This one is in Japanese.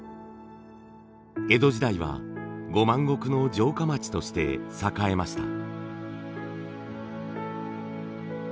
江戸時代は五万石の城下町として栄えました。